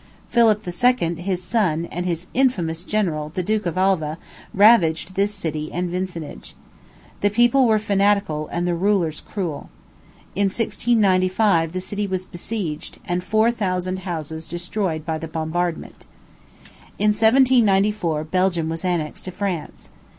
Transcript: Philip II., his son, and his infamous general, the Duke of Alva, ravaged this city and vicinage. The people were fanatical, and the rulers cruel. In 1695, the city was besieged, and four thousand houses destroyed by the bombardment. In 1794, Belgium was annexed to France.